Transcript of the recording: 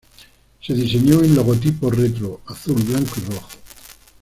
Se diseñó un logotipo retro azul, blanco y rojo.